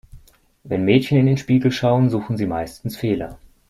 Wenn Mädchen in den Spiegel schauen, suchen sie meistens Fehler.